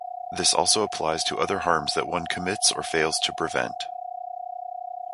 This also applies to other harms that one commits or fails to prevent.